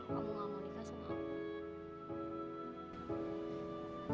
kamu tidak mau nikah sama aku